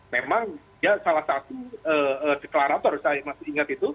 memang dia salah satu deklarator saya masih ingat itu